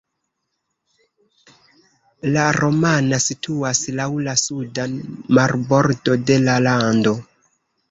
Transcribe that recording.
La Romana situas laŭ la suda marbordo de la lando.